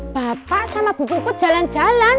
bapak sama bu puput jalan jalan